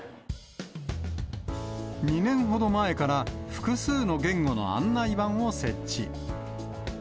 ２年ほど前から、複数の言語の案内板を設置。